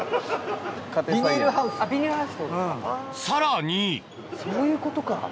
さらにそういうことか。